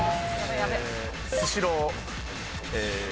スシロー。